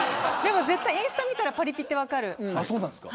インスタ見たらパリピって分かります。